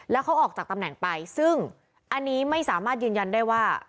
แล้วเขาออกจากตำแหน่งไปซึ่งอันนี้ไม่สามารถยืนยันได้ว่า